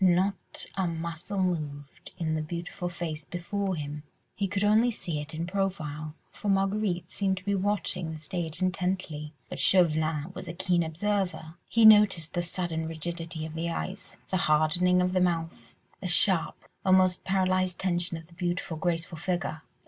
Not a muscle moved in the beautiful face before him. He could only see it in profile, for Marguerite seemed to be watching the stage intently, but Chauvelin was a keen observer; he noticed the sudden rigidity of the eyes, the hardening of the mouth, the sharp, almost paralysed tension of the beautiful, graceful figure.